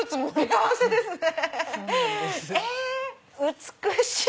美しい！